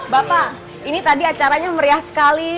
bapak ini tadi acaranya meriah sekali